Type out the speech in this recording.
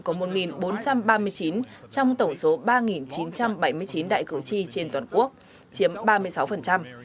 có một bốn trăm ba mươi chín trong tổng số ba chín trăm bảy mươi chín đại cử tri trên toàn quốc chiếm ba mươi sáu